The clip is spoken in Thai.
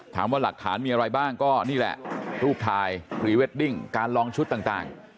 หลักฐานมีอะไรบ้างก็นี่แหละรูปถ่ายพรีเวดดิ้งการลองชุดต่าง